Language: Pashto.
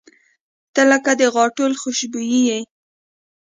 • ته لکه د غاټول خوشبويي یې.